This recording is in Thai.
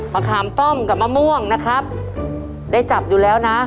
ขามต้มกับมะม่วงนะครับได้จับอยู่แล้วนะ